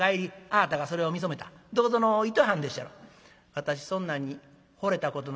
「私そんなんに惚れたことない」。